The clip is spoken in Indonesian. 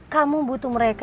kamu butuh mereka